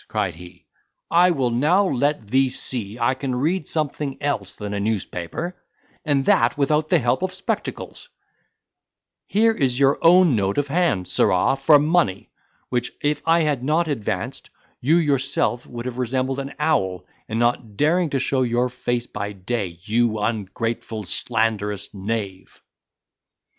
cried he, "I will now let thee see I can read something else than a newspaper, and that without the help of spectacles: here is your own note of hand, sirrah, for money, which if I had not advanced, you yourself would have resembled an owl, in not daring to show your face by day, you ungrateful slanderous knave!"